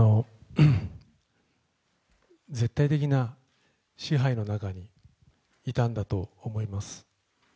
絶対的な支配の中にいたんだと思います。